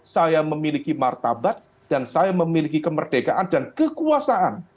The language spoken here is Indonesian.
saya memiliki martabat dan saya memiliki kemerdekaan dan kekuasaan